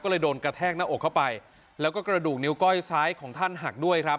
ก็เลยโดนกระแทกหน้าอกเข้าไปแล้วก็กระดูกนิ้วก้อยซ้ายของท่านหักด้วยครับ